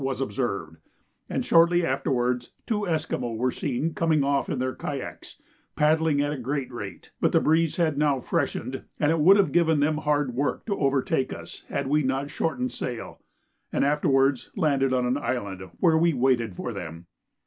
was observed, and shortly afterwards two Esquimaux were seen coming off in their kayaks, paddling at a great rate; but the breeze had now freshened, and it would have given them hard work to overtake us had we not shortened sail, and afterwards landed on an island, where we waited for them.